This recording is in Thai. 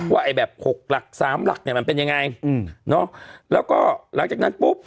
ว่าไอ้แบบ๖หลัก๓หลักเนี่ยมันเป็นยังไงแล้วก็หลังจากนั้นปุ๊บ